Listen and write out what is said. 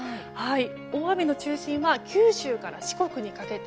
大雨の中心は九州から四国にかけて。